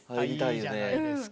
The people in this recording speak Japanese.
いいじゃないですか。